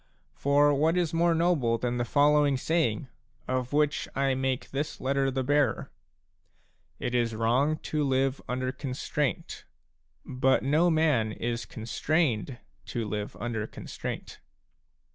For what is more noble than the following saying/* of which I make this letter the bearer: "It is wrong to live under constraint ; but no man is constrained to live under constraint."